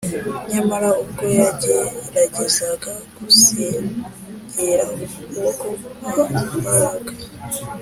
nyamara ubwo yageragezaga gusingira uko kuboko kw’imbaraga